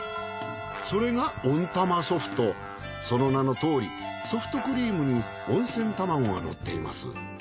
それがその名のとおりソフトクリームに温泉たまごがのっています。